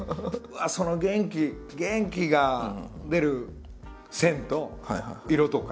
その元気元気が出る線と色とか。